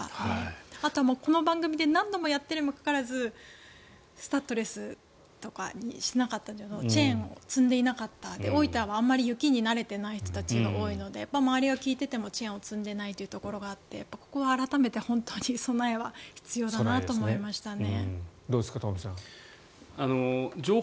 あとはこの番組で何度もやっているにもかかわらずスタッドレスにしなかったりチェーンを積んでいなかったり大分はあまり雪に慣れていない人が多いので周りに聞いてもチェーンを積んでいないという人が多くてここは改めて本当に備えは必要だなと思いましたね。